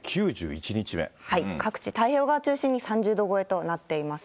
各地、太平洋側を中心に３０度超えとなっています。